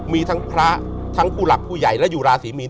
มีทั้งพระทั้งผู้หลักผู้ใหญ่และอยู่ราศีมีน